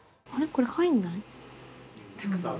これ入んない？